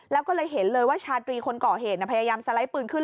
แล้วก็เลยเห็นเลยว่าชาตรีคนก่อเหตุพยายามสไลด์ปืนขึ้น